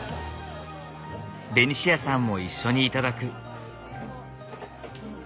ベニシアさんも一緒に頂く。